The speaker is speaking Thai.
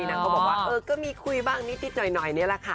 นางก็บอกว่าเออก็มีคุยบ้างนิดหน่อยนี่แหละค่ะ